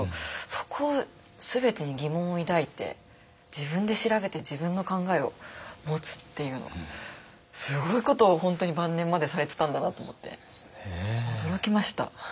そこを全てに疑問を抱いて自分で調べて自分の考えを持つっていうのがすごいことを本当に晩年までされてたんだなと思って驚きました。